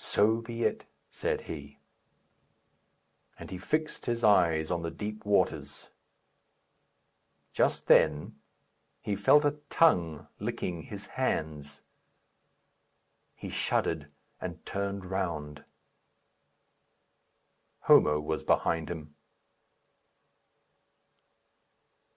"So be it," said he. And he fixed his eyes on the deep waters. Just then he felt a tongue licking his hands. He shuddered, and turned round. Homo was behind him.